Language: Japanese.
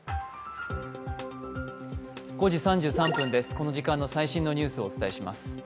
この時間の最新のニュースをお伝えします。